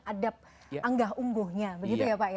adab anggah ungguhnya begitu ya pak ya